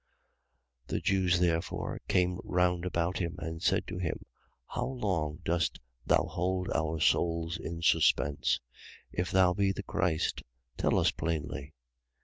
10:24. The Jews therefore came round about him and said to him: How long dost thou hold our souls in suspense? If thou be the Christ, tell us plainly.